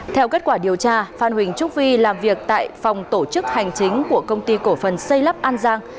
theo kết quả điều tra phan huỳnh trúc vi làm việc tại phòng tổ chức hành chính của công ty cổ phần xây lắp an giang